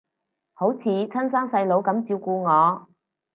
好似親生細佬噉照顧我